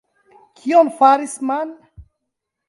Kion faris Man?